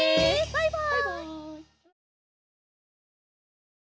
バイバイ！